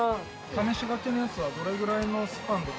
試し書きのやつはどれぐらいのスパンで交換。